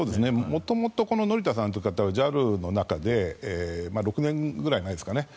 元々乗田さんという方はＪＡＬの中で６年くらい前になりますかね